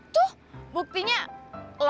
tuh buktinya dia bawa mobilnya